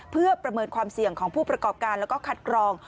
เพื่อประเมินความเสี่ยงของผู้ประกอบการแล้วก็คัดกรอง